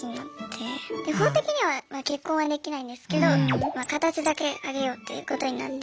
法的には結婚はできないんですけど形だけ挙げようっていうことになって。